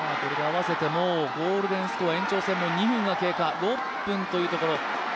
ゴールデンスコア延長戦も２分が経過、６分というところ。